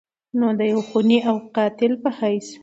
نو د يو خوني او قاتل په حېث